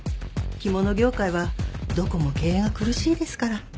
着物業界はどこも経営が苦しいですから